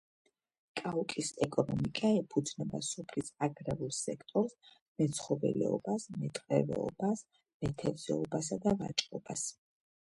კაუკის ეკონომიკა ეფუძნება სოფლის აგრარულ სექტორს, მეცხოველეობას, მეტყევეობას, მეთევზეობასა და ვაჭრობას.